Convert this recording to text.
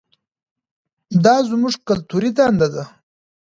دا زموږ کلتوري دنده ده.